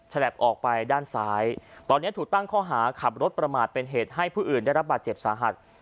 ออกไปด้านซ้ายตอนนี้ถูกตั้งข้อหาขับรถประมาทเป็นเหตุให้ผู้อื่นได้รับบาดเจ็บสาหัส